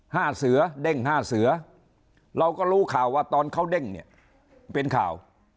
ห้าเสือเด้งห้าเสือเราก็รู้ข่าวว่าตอนเขาเด้งเนี่ยเป็นข่าว